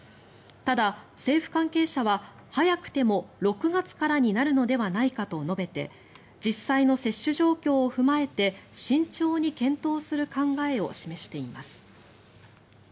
ただ、政府関係者は早くても６月からになるのではないかと述べて実際の接種状況を踏まえて慎重に検討する考えを示しています。